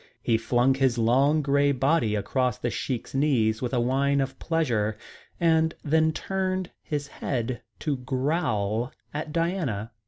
He flung his long grey body across the Sheik's knees with a whine of pleasure and then turned his head to growl at Diana.